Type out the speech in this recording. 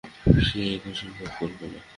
সে এক অসম্ভব কল্পনা।